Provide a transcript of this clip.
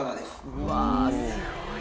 「うわあすごい」